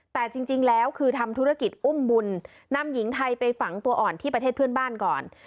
แต่จริงแล้วคือทำธุรกิจอุ้มบุญนำหญิงไทยไปฝังตัวอ่อนที่ประเทศเพื่อนบ้านก่อน